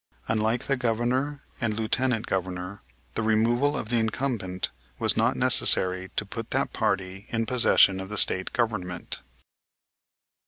Unlike the Governor and Lieutenant Governor, the removal of the incumbent was not necessary to put that party in possession of the State Government.